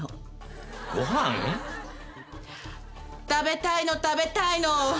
食べたいの食べたいの！